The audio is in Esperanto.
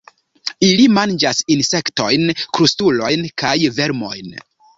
Ili manĝas insektojn, krustulojn kaj vermojn.